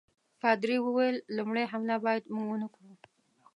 پادري وویل لومړی حمله باید موږ ونه کړو.